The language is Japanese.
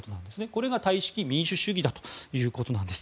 これがタイ式民主主義ということです。